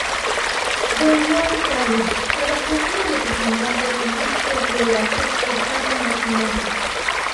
Volvió a Italia trabajó como representante de industrias belgas que exportaban maquinaria.